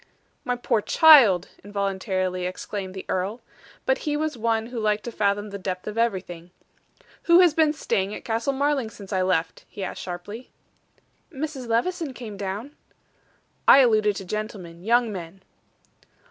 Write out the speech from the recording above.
"My poor child!" involuntarily exclaimed the earl. But he was one who liked to fathom the depth of everything. "Who has been staying at Castle Marling since I left?" he asked sharply. "Mrs. Levison came down." "I alluded to gentlemen young men."